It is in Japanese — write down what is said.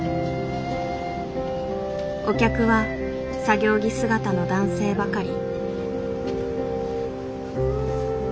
お客は作業着姿の男性ばかり。